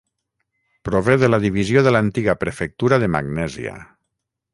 Prové de la divisió de l'antiga prefectura de Magnèsia.